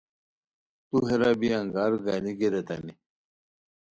تو ہیرا بی انگار گانی گیے ریتانی